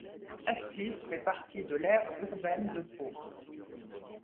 Astis fait partie de l'aire urbaine de Pau.